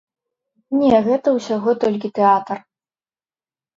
Не, гэта ўсяго толькі тэатр.